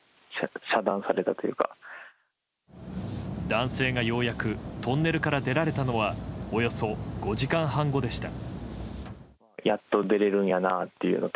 男性が、ようやくトンネルから出られたのはおよそ５時間半後でした。